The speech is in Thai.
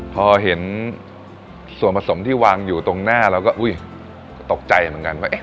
พอเห็นส่วนผสมที่วางอยู่ตรงหน้าเราก็อุ๊ยตกใจเหมือนกันว่า